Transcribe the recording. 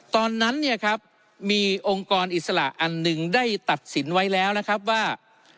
ตอนนั้นเนี่ยครับมีองค์กรอิสระอันหนึ่งได้ตัดสินไว้แล้วนะครับว่า